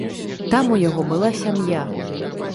Там у яго была сям'я.